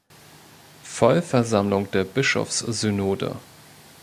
Vollversammlung der Bischofssynode.